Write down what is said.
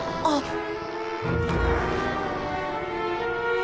あっ！